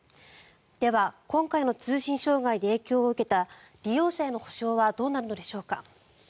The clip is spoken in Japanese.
では、今回の通信障害で影響を受けた利用者への補償はどうなるのでしょうか。